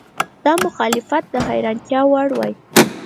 دا مخالفت د حیرانتیا وړ وای.